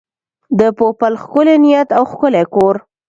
د پوپل ښکلی نیت او ښکلی کور.